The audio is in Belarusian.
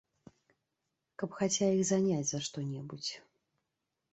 Каб хаця іх заняць за што-небудзь.